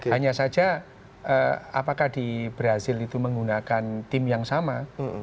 hanya saja apakah di brazil itu menggunakan tim yang sama